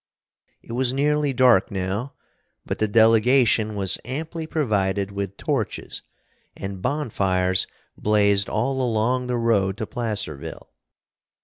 It was nearly dark now, but the delegation was amply provided with torches, and bonfires blazed all along the road to Placerville.